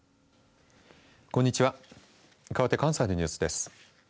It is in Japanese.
こんにちはかわって関西のニュースです。